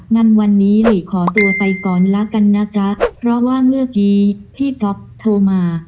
งั้นวันนี้หลีขอตัวไปก่อนละกันนะจ๊ะเพราะว่าเมื่อกี้พี่จ๊อปโทรมา